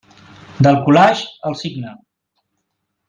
Del collage al signe.